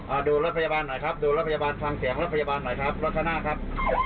โอ้โหนำเสนอข่าวกันเยอะแยะมากมาย